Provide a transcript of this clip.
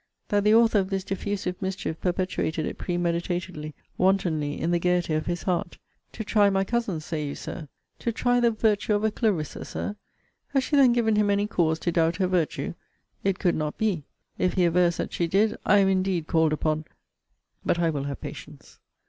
That the author of this diffusive mischief perpetuated it premeditatedly, wantonly, in the gaiety of his heart. To try my cousin, say you, Sir! To try the virtue of a Clarissa, Sir! Has she then given him any cause to doubt her virtue? It could not be. If he avers that she did, I am indeed called upon but I will have patience.